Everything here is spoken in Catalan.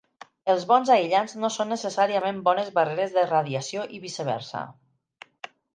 Els bons aïllants no són necessàriament bones barreres de radiació i viceversa.